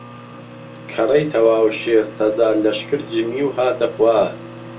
کهڕەی تهواو شێست ههزار لەشکر جمی و هاته خوار